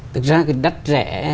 thực ra cái đắt rẻ